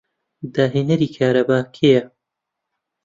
داهێنەری کارەبا کێیە؟